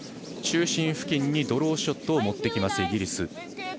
中心付近にドローショットを持ってくるイギリス。